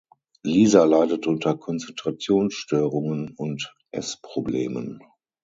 Lisa leidet unter Konzentrationsstörungen und Essproblemen.